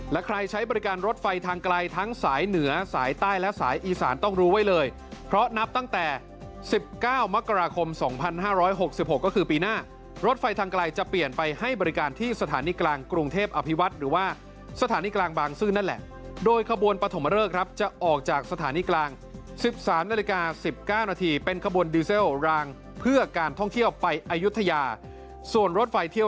และใครใช้บริการรถไฟทางไกลทั้งสายเหนือสายใต้และสายอีสานต้องรู้ไว้เลยเพราะนับตั้งแต่๑๙มกราคม๒๕๖๖ก็คือปีหน้ารถไฟทางไกลจะเปลี่ยนไปให้บริการที่สถานีกลางกรุงเทพอภิวัตรหรือว่าสถานีกลางบางซื่อนั่นแหละโดยขบวนปฐมเริกครับจะออกจากสถานีกลาง๑๓นาฬิกา๑๙นาทีเป็นขบวนดีเซลรางเพื่อการท่องเที่ยวไปอายุทยาส่วนรถไฟเที่ยว